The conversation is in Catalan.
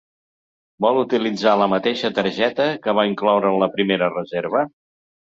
Vol utilitzar la mateixa targeta que va incloure en la primera reserva?